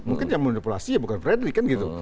mungkin yang manipulasi bukan frederick kan gitu